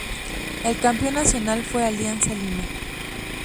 El campeón nacional fue Alianza Lima.